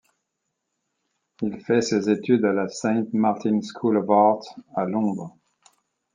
Il fait ses études à la Saint Martin's School of Art à Londres.